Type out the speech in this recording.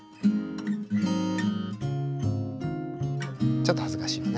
ちょっと恥ずかしいよね。